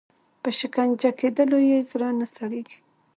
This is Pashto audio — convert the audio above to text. په شکنجه کېدلو یې زړه نه سړیږي.